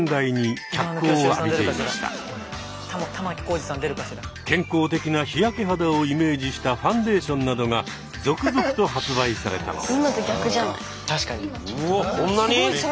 一方健康的な日焼け肌をイメージしたファンデーションなどが続々と発売されたのです。